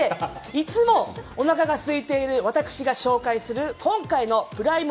いつもおなかがすいている私が紹介する今回のプライム